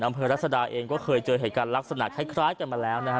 รัศดาเองก็เคยเจอเหตุการณ์ลักษณะคล้ายกันมาแล้วนะฮะ